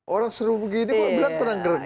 orang seru begini kok